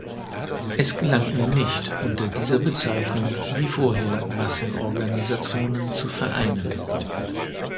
Es gelang ihr nicht unter dieser Bezeichnung wie vorher Massenorganisationen zu vereinen.